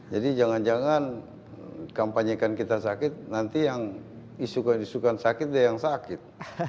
jadi jangan jangan kampanye kan kita sakit nanti yang disukai disukai sakit dia yang sakit